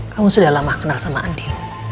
kamu sudah lama kenal sama andi